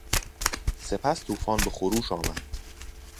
سپس توفان به خروش آمد.